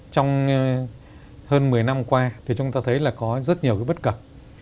trong hơn một mươi năm qua thì chúng ta thấy là có rất nhiều cái bất cập